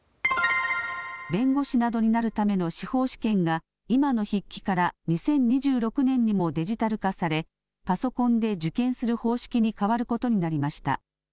弁護士などになるための司法試験が今の筆記から２０２６年にもデジタル化されパソコンで受験する方式に変わることになりました。